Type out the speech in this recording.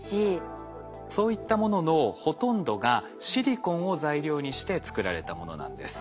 そういったもののほとんどがシリコンを材料にして作られたものなんです。